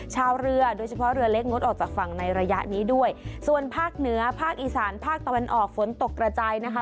ชาวเรือโดยเฉพาะเรือเล็กงดออกจากฝั่งในระยะนี้ด้วยส่วนภาคเหนือภาคอีสานภาคตะวันออกฝนตกกระจายนะคะ